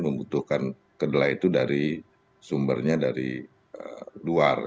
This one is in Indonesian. membutuhkan kedelai itu dari sumbernya dari luar